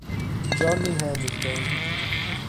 Johnny Hamilton